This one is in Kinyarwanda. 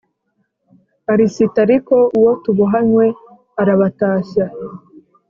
Arisitariko uwo tubohanywe arabatashya